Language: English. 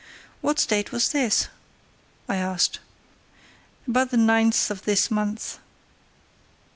"What date was this?" I asked. "About the ninth of this month."